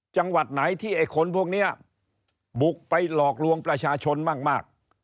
จังหวัดไหนที่ไอ้คนพวกนี้บุกไปหลอกลวงประชาชนมาก